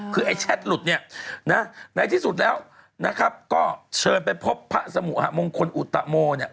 คือไอ้แชทหลุดเนี่ยนะในที่สุดแล้วนะครับก็เชิญไปพบพระสมุหะมงคลอุตโมเนี่ย